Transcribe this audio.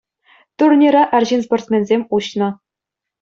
Турнира арҫын-спортсменсем уҫнӑ.